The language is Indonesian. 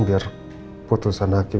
biar putusan hakim